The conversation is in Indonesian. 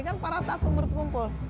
kan para tatung berkumpul